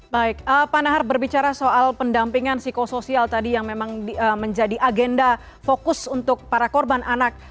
baik pak nahar berbicara soal pendampingan psikosoial tadi yang memang menjadi agenda fokus untuk para korban anak